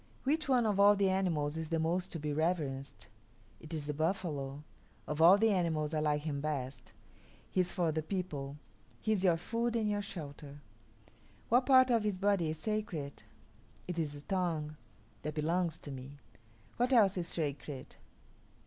Which one of all the animals is the most to be reverenced? It is the buffalo; of all the animals I like him best. He is for the people; he is your food and your shelter. What part of his body is sacred? It is the tongue; that belongs to me. What else is sacred?